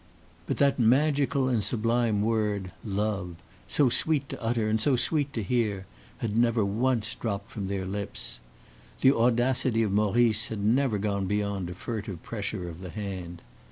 But that magical and sublime word, love so sweet to utter, and so sweet to hear had never once dropped from their lips. The audacity of Maurice had never gone beyond a furtive pressure of the hand.